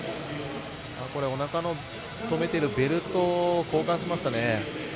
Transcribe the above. おなかを止めているベルト交換しましたね。